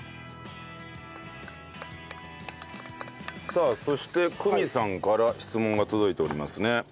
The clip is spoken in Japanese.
さあそして久美さんから質問が届いておりますね。